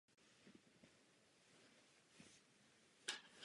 O této věci nic nevím, ale podíváme se na ni.